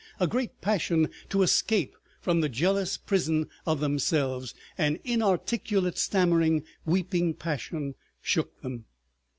A great passion to escape from the jealous prison of themselves, an inarticulate, stammering, weeping passion shook them.